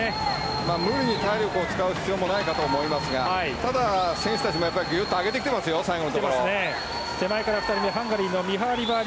無理に体力を使う必要もないかと思いますが、選手たちも上げてきてますよ、最後。